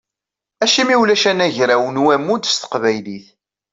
Acimi ulac anagraw n wammud s teqbaylit?